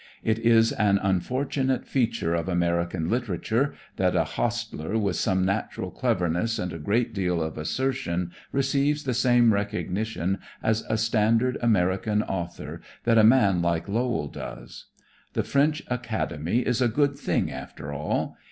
It is an unfortunate feature of American literature that a hostler with some natural cleverness and a great deal of assertion receives the same recognition as a standard American author that a man like Lowell does. The French academy is a good thing after all.